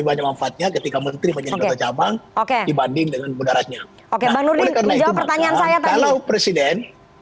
banyak manfaatnya ketika mencoba cabang oke dibanding dengan budaranya oke kalau presiden